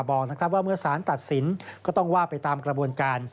บอกว่าเมื่อสารตัดสินก็ต้องว่าไปตามกระบวนการ